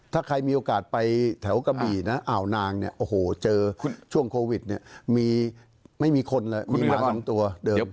ถ้าใครมีโอกาสไปแถวกระบี่นะอ่าวนางเนี่ยโอ้โหเจอช่วงโควิดเนี่ยไม่มีคนเลยมีมา๒ตัวเดิม